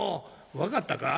「分かったか？」。